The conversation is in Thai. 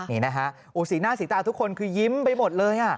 นี่นะฮะสีหน้าสีตาทุกคนคือยิ้มไปหมดเลย